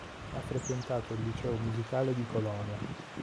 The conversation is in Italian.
Ha frequentato il liceo musicale di Colonia.